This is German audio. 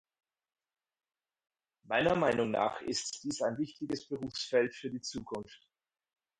Meiner Meinung nach ist dies ein wichtiges Berufsfeld für die Zukunft.